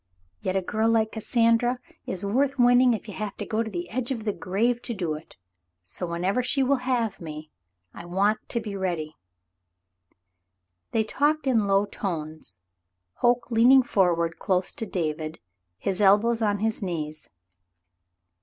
Yet a girl like Cassandra is worth winning if 180 Cassandra's Confession 181 you have to go to the edge of the grave to do it, so when ever she will have me, I want to be ready." They talked in low tones, Hoke leaning forward close to David, his elbows on his knees.